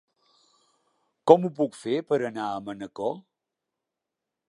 Com ho puc fer per anar a Manacor?